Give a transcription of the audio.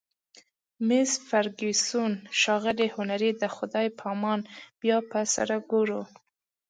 مس فرګوسن: ښاغلی هنري، د خدای په امان، بیا به سره ګورو.